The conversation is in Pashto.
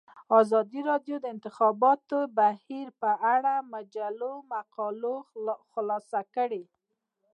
ازادي راډیو د د انتخاباتو بهیر په اړه د مجلو مقالو خلاصه کړې.